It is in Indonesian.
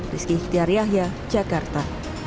rizky ihtiar yahya jakarta